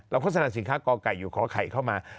โฆษณาสินค้ากอไก่อยู่ขอไข่เข้ามา